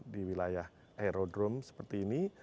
di wilayah aerodrome seperti ini